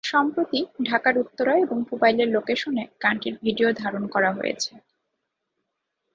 সম্প্রতি ঢাকার উত্তরা এবং পুবাইলের লোকেশনে গানটির ভিডিও ধারণ করা হয়েছে।